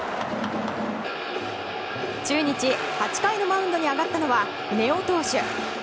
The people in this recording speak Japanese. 中日、８回のマウンドに上がったのは根尾投手。